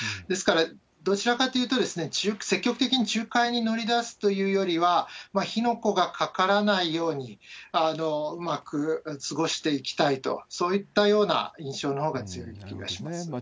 ですから、どちらかというと、積極的に仲介に乗りだすというよりは、火の粉がかからないように、うまく過ごしていきたいと、そういったような印象のほうが強い気がします。